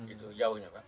itu jauhnya pak